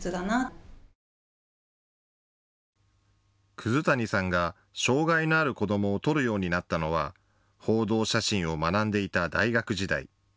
葛谷さんが障害のある子どもを撮るようになったのは報道写真を学んでいた大学時代。